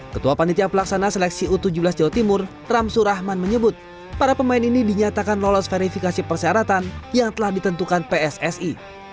ketua panitia pelaksana seleksi u tujuh belas jawa timur ramsur rahman menyebut para pemain ini dinyatakan lolos verifikasi persyaratan yang telah ditentukan pssi